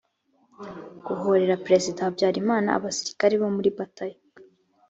guhorera perezida habyarimana abasirikare bo muri batayo